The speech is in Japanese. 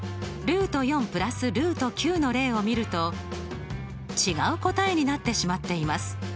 ＋の例を見ると違う答えになってしまっています。